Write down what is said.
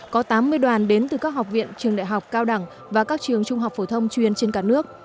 có tám mươi đoàn đến từ các học viện trường đại học cao đẳng và các trường trung học phổ thông chuyên trên cả nước